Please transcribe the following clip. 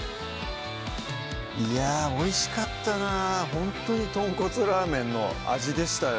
いやぁおいしかったなほんとにとんこつラーメンの味でしたよ